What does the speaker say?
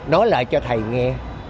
nói lại cho thầy nghe